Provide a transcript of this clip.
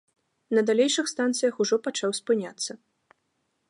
На далейшых станцыях ужо пачаў спыняцца.